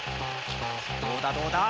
どうだどうだ？